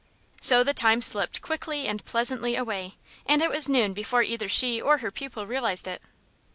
So the time slipped quickly and pleasantly away, and it was noon before either she or her pupil realized it.